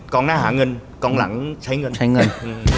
กองหน้าหาเงินกองหลังใช้เงิน